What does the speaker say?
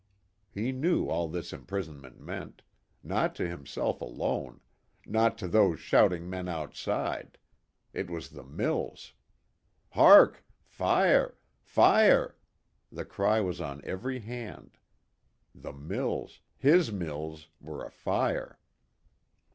He knew all his imprisonment meant. Not to himself alone. Not to those shouting men outside. It was the mills. Hark! Fire! Fire! The cry was on every hand. The mills his mills were afire!